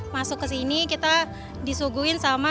masuk ke sini kita disuguhin sama